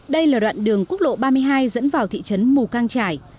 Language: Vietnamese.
đây là đoạn đường quốc lộ ba mươi hai dẫn vào thị trấn mù căng trải